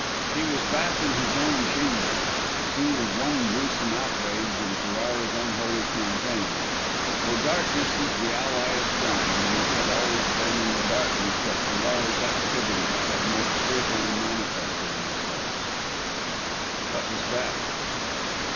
He was back in his own chamber scene of one gruesome outrage in Ferrara's unholy campaign; for darkness is the ally of crime, and it had always been in the darkness that Ferrara's activities had most fearfully manifested themselves. What was that?